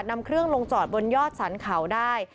นำเครื่องลงจอดบนยอดสรรเขาได้